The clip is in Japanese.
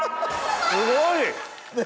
すごい！ね